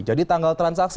jadi tanggal transaksi